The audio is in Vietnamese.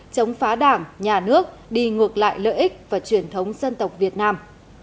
chống phá đảng nhà nước đi ngược lại lợi ích và truyền thống dân tộc việt nam